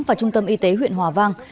và trung tâm y tế huyện hòa vang